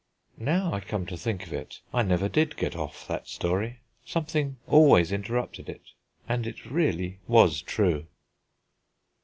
Now I come to think of it, I never did get off that story; something always interrupted it. And it really was true.